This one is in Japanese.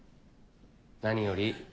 何より。